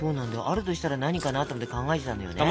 あるとしたら何かなと思って考えてたんだよね。